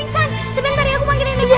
iya sebentar ya